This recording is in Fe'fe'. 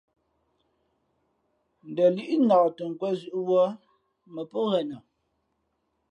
Ndα līʼ nak tα nkwēn zʉ̌ʼ wūᾱ mα pō ghenα.